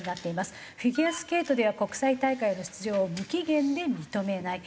フィギュアスケートでは国際大会への出場を無期限で認めない。